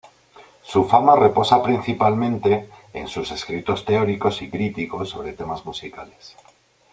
Su fama reposa principalmente, en sus escritos teóricos y críticos sobre temas musicales.